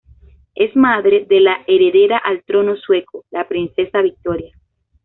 Es madre de la heredera al trono sueco, la princesa Victoria.